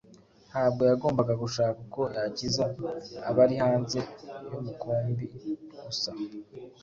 ntabwo yagombaga gushaka uko yakiza abari hanze y’umukumbi gusa,